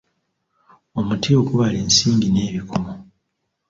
Omuti ogubala ensimbi n'ebikomo.